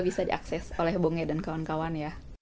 bisa diakses oleh bonge dan kawan kawan ya